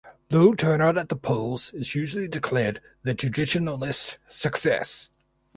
Low turnout at the polls is usually declared the Traditionalist success.